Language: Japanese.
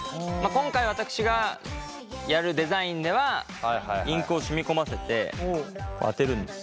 今回私がやるデザインではインクを染み込ませてあてるんですよ。